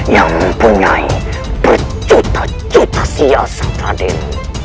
yang mempunyai berjuta juta siasat raden